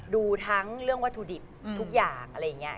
ดูทั้งเรื่องวัตถุดิบทุกอย่างอะไรอย่างนี้